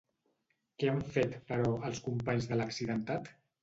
Què han fet, però, els companys de l'accidentat?